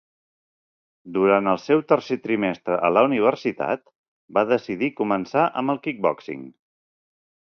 Durant el seu tercer trimestre a la universitat, va decidir començar amb el kickboxing.